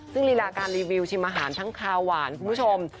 ซึ่งลีลาการรีวิวชิมอาหารทั้งคาวหวานคุณผู้ชม